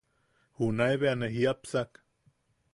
Junae bea ne jiʼapsak.